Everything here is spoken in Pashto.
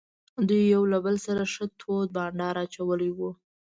دوی یو له بل سره ښه تود بانډار اچولی وو.